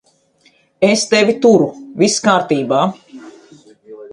Es tevi turu. Viss kārtībā.